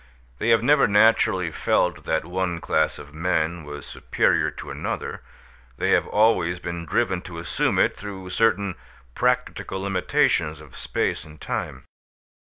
They have never naturally felt that one class of men was superior to another; they have always been driven to assume it through certain practical limitations of space and time.